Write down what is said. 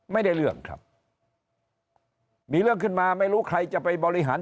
เรื่องครับมีเรื่องขึ้นมาไม่รู้ใครจะไปบริหาร